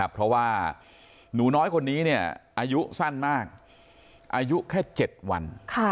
เพราะว่าหนูน้อยคนนี้อายุสั้นมากอายุแค่๗วัน